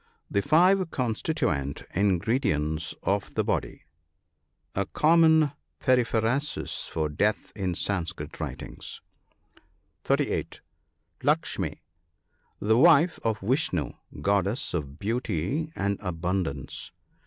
— The five constituent ingredients of the body. A common periphrasis for death in Sanskrit writings. (38.) Lakshmi. — The wife of Vishnoo, Goddess of beauty and abun dance.